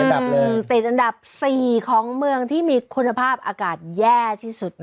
ติดอันดับเลยอืมติดอันดับสี่ของเมืองที่มีคุณภาพอากาศแย่ที่สุด